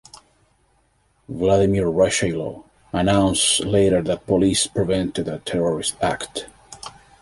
Vladimir Rushailo announced later that police prevented a terrorist act.